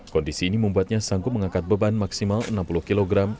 kondisi ini membuatnya sanggup mengangkat beban maksimal enam puluh kg